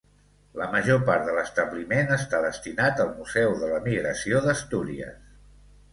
La major part de l'establiment està destinat al Museu de l'Emigració d'Astúries.